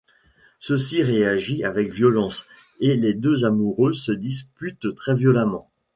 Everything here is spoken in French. Celui-ci réagit avec violence et les deux amoureux se disputent très violemment.